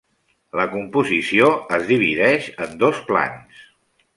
La composició es divideix en dos plans.